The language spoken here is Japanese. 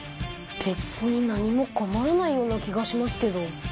べつに何も困らないような気がしますけど。